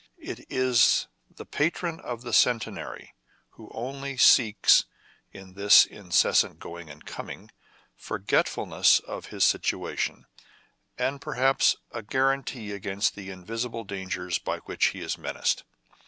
It is the patron of the Centenary, who only seeks, in this incessant going and coming, forgetfulness of his situation, and per haps a guaranty against the invisible dangers by which he is menaced.